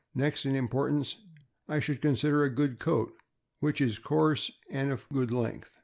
Next in importance I should con sider a good coat, which is coarse and of good length.